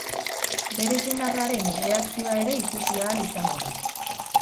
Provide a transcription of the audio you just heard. Bere senarraren erreakzioa ere ikusi ahal izango da.